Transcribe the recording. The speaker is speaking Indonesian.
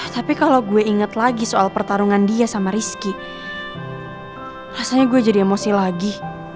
tapi kalau gue inget lagi soal pertarungan dia sama rizky rasanya gue jadi emosi lagi